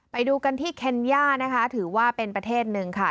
ไปดูกันที่เคนย่านะคะถือว่าเป็นประเทศหนึ่งค่ะ